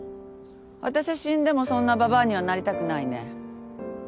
あたしは死んでもそんなババアにはなりたくないね。